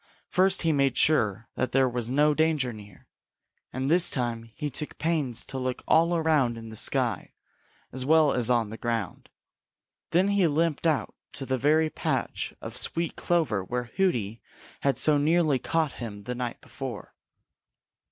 First he made sure that there was no danger near, and this time he took pains to look all around in the sky as well as on the ground. Then he limped out to the very patch of sweet clover where Hooty had so nearly caught him the night before.